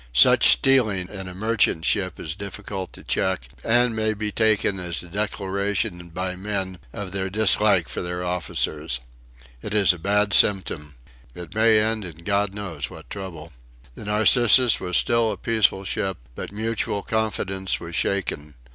Such stealing in a merchant ship is difficult to check, and may be taken as a declaration by men of their dislike for their officers. It is a bad symptom. It may end in God knows what trouble. The Narcissus was still a peaceful ship, but mutual confidence was shaken.